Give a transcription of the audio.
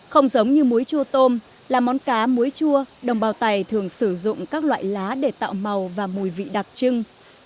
không giống như muối chua tôm là món cá muối chua đồng bào tày thường sử dụng các loại lá để tạo màu và mùi vị đặc trưng